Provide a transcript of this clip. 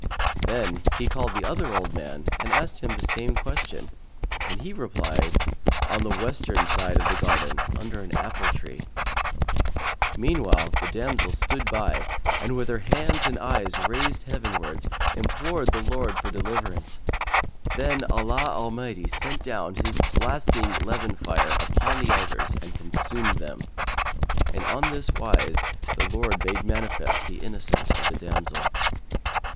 Then he called the other old man and asked him the same question, and he replied, "On the western side of the garden, under an apple tree." Meanwhile the damsel stood by, with her hands and eyes raised heavenwards, imploring the Lord for deliverance. Then Allah Almighty sent down His blasting leven fire upon the elders and consumed them, and on this wise the Lord made manifest the innocence of the damsel.